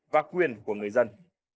và quyền của người dân